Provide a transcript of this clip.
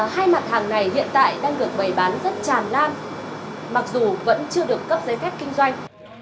hai mặt hàng này hiện tại đang được bày bán rất tràn lan mặc dù vẫn chưa được cấp giấy phép kinh doanh